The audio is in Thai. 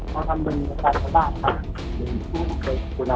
เขาทำมันเหมือนกับเท่าเนี่ยค่ะ